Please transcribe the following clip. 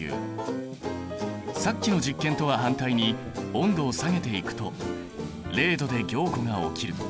さっきの実験とは反対に温度を下げていくと０℃で凝固が起きる。